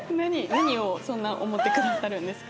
何をそんな思ってくださるんですか？